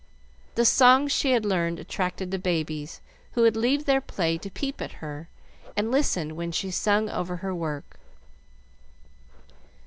The songs she had learned attracted the babies, who would leave their play to peep at her and listen when she sung over her work.